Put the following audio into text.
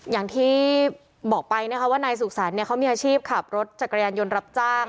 อย่างที่บอกไปนะคะว่านายสุขสรรค์เขามีอาชีพขับรถจักรยานยนต์รับจ้าง